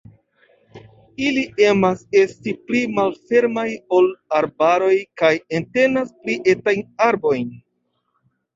Ili emas esti pli malfermaj ol arbaroj kaj entenas pli etajn arbojn.